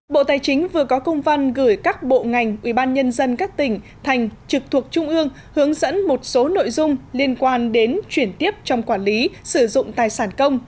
bộ tài chính vừa có công văn gửi các bộ ngành ubnd các tỉnh thành trực thuộc trung ương hướng dẫn một số nội dung liên quan đến chuyển tiếp trong quản lý sử dụng tài sản công